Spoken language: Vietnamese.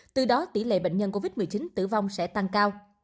từ đó tỷ lệ bệnh nhân covid một mươi chín tử vong sẽ tăng cao